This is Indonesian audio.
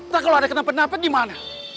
tak kalau ada kenapa napa dimana